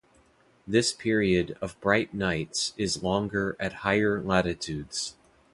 This period of "bright nights" is longer at higher latitudes.